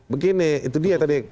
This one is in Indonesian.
begini itu dia tadi